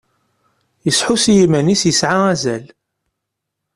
Yesḥus i yiman-is yesɛa azal.